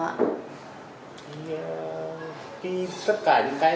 tất cả những cái